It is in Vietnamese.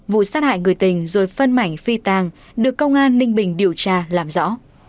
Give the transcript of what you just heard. vụ sát hại người tình rồi phân mảnh phi tàng được công an ninh bình điều tra làm rõ